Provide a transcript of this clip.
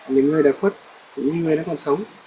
những người đã khuất những người đã còn sống